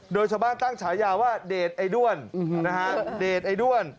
โดยชาวบ้านตั้งฉายาว่าเดชไอ้ด้วนนะฮะเดชไอ้ด้วน